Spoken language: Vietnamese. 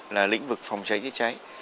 là lĩnh vực phòng cháy chữa cháy